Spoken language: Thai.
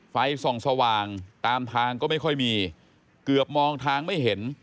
ไฟส่องสว่างตามทางก็ไม่ค่อยมีเกือบมองทางไม่เห็น